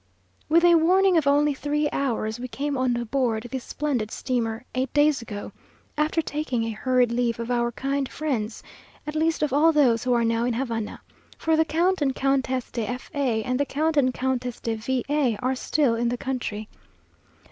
With a warning of only three hours, we came on board this splendid steamer, eight days ago, after taking a hurried leave of our kind friends, at least of all those who are now in Havana; for the Count and Countess de F a, and the Count and Countess de V a are still in the country.